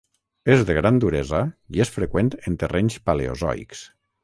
És de gran duresa i és freqüent en terrenys paleozoics.